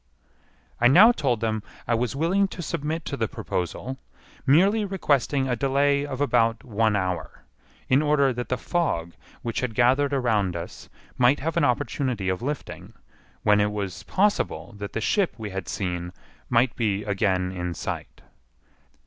I now told them I was willing to submit to the proposal, merely requesting a delay of about one hour, in order that the fog which had gathered around us might have an opportunity of lifting, when it was possible that the ship we had seen might be again in sight.